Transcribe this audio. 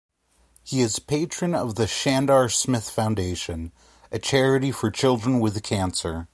He is patron of the Shandar Smith Foundation, a charity for children with cancer.